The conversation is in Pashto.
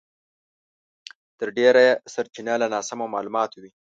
تر ډېره یې سرچينه له ناسمو مالوماتو وي.